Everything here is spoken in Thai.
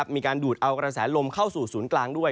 มีการดูดเอากระแสลมเข้าสู่ศูนย์กลางด้วย